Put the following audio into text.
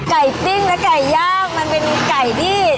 ปิ้งและไก่ย่างมันเป็นไก่ที่